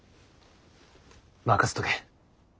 任せとけ。